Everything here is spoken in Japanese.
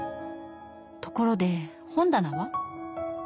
ところで本棚は？